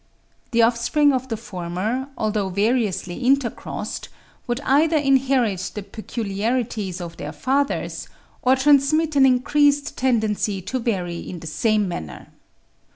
The offspring of the former, although variously intercrossed, would either inherit the peculiarities of their fathers or transmit an increased tendency to vary in the same manner.